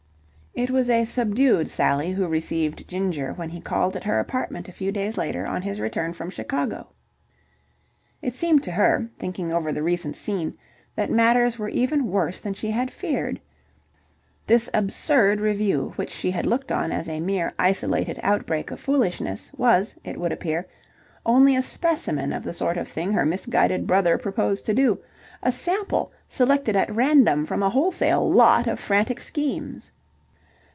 It was a subdued Sally who received Ginger when he called at her apartment a few days later on his return from Chicago. It seemed to her, thinking over the recent scene, that matters were even worse than she had feared. This absurd revue, which she had looked on as a mere isolated outbreak of foolishness, was, it would appear, only a specimen of the sort of thing her misguided brother proposed to do, a sample selected at random from a wholesale lot of frantic schemes.